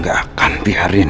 gua gak akan biarin